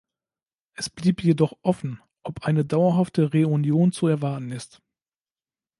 Es blieb jedoch offen, ob eine dauerhafte Reunion zu erwarten ist.